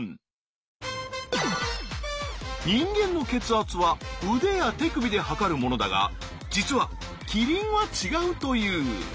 人間の血圧は腕や手首で測るものだが実はキリンは違うという。